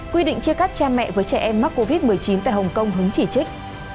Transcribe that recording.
quy định chia cắt cha mẹ với trẻ em mắc covid một mươi chín tại hồng kông hứng chỉ trích